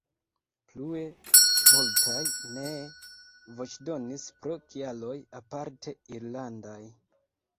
Plue, multaj nee voĉdonis pro kialoj aparte irlandaj.